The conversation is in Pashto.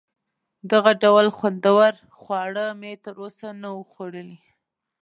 دغه ډول خوندور خواړه مې تر اوسه نه وه خوړلي.